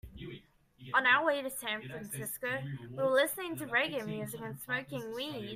On our way to San Francisco, we were listening to reggae music and smoking weed.